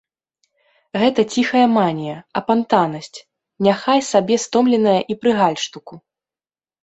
Гэта ціхая манія, апантанасць, няхай сабе стомленая і пры гальштуку.